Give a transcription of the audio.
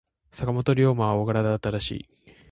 坂本龍馬は大柄だったらしい。